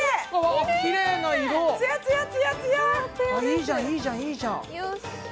いいじゃんいいじゃんいいじゃん！